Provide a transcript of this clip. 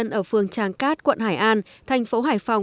và một người dân ở phương tràng cát quận hải an thành phố hải phòng